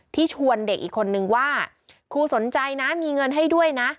ชวนเด็กอีกคนนึงว่าครูสนใจนะมีเงินให้ด้วยนะ